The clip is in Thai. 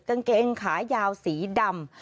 กางเกงขายาวสีดำ